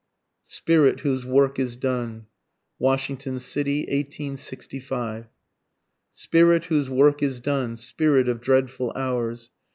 SPIRIT WHOSE WORK IS DONE. (Washington City, 1865.) Spirit whose work is done spirit of dreadful hours!